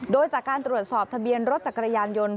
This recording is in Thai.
โดยจากการตรวจสอบทะเบียนรถจักรยานยนต์